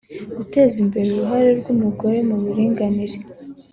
’’ Guteza imbere uruhare rw’umugore mu buringanire’’